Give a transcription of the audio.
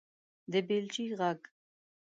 _د بېلچې غږ